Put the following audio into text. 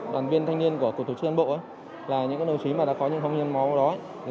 đoàn viên thanh niên của cục tổ chức cán bộ là những đồng chí đã có những phong hiến máu đó